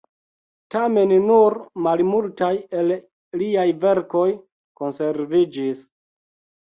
Tamen nur malmultaj el liaj verkoj konserviĝis.